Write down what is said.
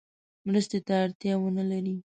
مرستې ته اړتیا ونه لري.